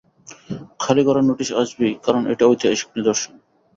খালি করার নোটিশ আসবেই, কারণ এইটা ঐতিহাসিক নিদর্শন।